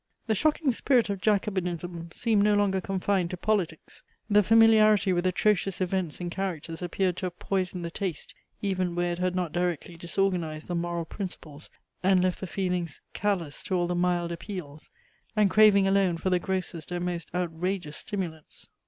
The shocking spirit of jacobinism seemed no longer confined to politics. The familiarity with atrocious events and characters appeared to have poisoned the taste, even where it had not directly disorganized the moral principles, and left the feelings callous to all the mild appeals, and craving alone for the grossest and most outrageous stimulants.